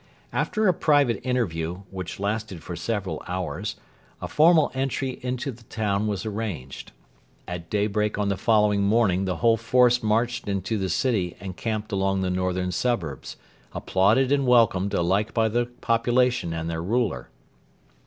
After a private interview, which lasted for several hours, a formal entry into the town was arranged. At daybreak on the following morning the whole force marched into the city and camped along the northern suburbs, applauded and welcomed alike by the population and their ruler.